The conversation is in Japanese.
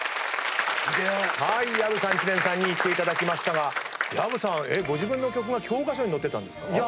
薮さん知念さんに行っていただきましたが薮さんご自分の曲が教科書に載ってたんですか？